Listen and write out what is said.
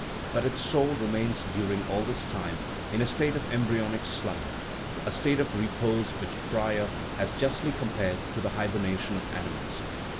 But its soul remains during all this time in a state of embryonic slumber, a state of repose which Preyer has justly compared to the hibernation of animals.